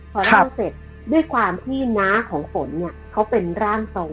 พอเล่าเสร็จด้วยความที่น้าของฝนเนี่ยเขาเป็นร่างทรง